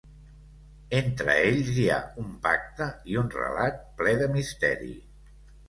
Entre ells hi ha un pacte i un relat ple de misteri.